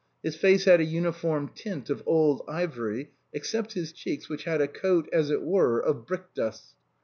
His face had a uniform tint of old ivory, except his cheeks, which had a coat, as it were, of brickdust.